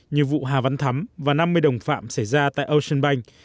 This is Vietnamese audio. như vụ hà văn thắm và năm mươi đồng phạm xảy ra tại ocean bank